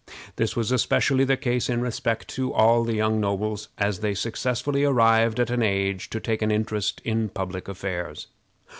This was especially the case in respect to all the young nobles as they successively arrived at an age to take an interest in public affairs.